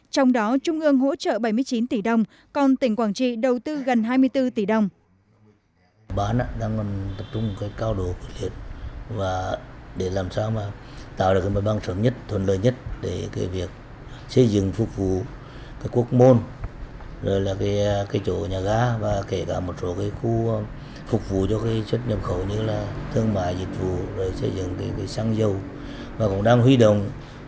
trong đó trung ương hỗ trợ bảy mươi chín tỷ đồng còn tỉnh quảng trị đầu tư gần hai mươi bốn tỷ đồng